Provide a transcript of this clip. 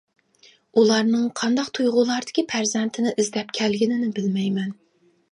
ئۇلارنىڭ قانداق تۇيغۇلاردىكى پەرزەنتىنى ئىزدەپ كەلگىنىنى بىلمەيمەن.